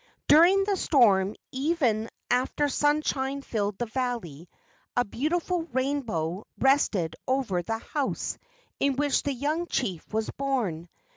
During the storm, and even after sunshine filled the valley, a beautiful rainbow rested over the house in which the young chief was born.